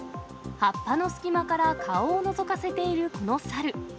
葉っぱの隙間から顔をのぞかせているこの猿。